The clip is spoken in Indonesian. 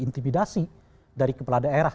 intimidasi dari kepala daerah